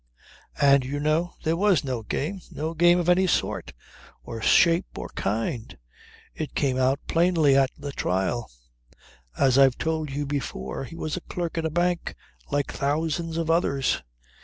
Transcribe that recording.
And, you know, there was no game, no game of any sort, or shape or kind. It came out plainly at the trial. As I've told you before, he was a clerk in a bank, like thousands of others.